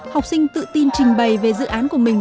học sinh tự tin trình bày về dự án của mình